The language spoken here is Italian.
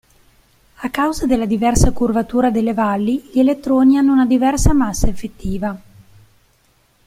A causa della diversa curvatura delle valli, gli elettroni hanno una diversa massa effettiva.